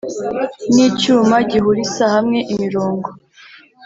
N icyuma gihurisa hamwe imirongo